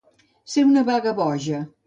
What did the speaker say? Ser una baga boja.